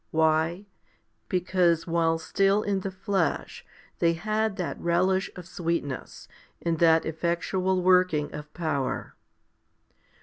Why ? Be cause while still in the flesh they had that relish of sweetness, and that effectual working of power.